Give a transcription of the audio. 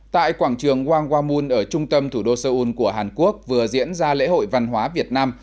tại quảng trường wangwamun ở trung tâm thủ đô seoul của hàn quốc vừa diễn ra lễ hội văn hóa việt nam